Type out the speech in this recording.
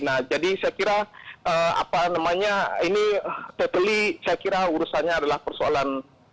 nah jadi saya kira ini totally saya kira urusannya adalah persoalan